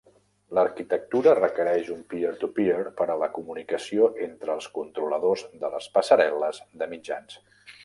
L'arquitectura requereix un "Peer-to-Peer" per a la comunicació entre els controladors de les passarel·les de mitjans.